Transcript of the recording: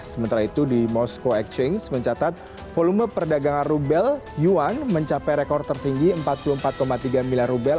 sementara itu di moskow exchange mencatat volume perdagangan rubel yuan mencapai rekor tertinggi empat puluh empat tiga miliar rubel